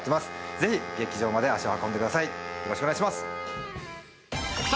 ぜひ劇場まで足を運んでください。